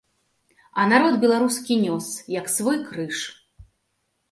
А народ беларускі нёс, як свой крыж.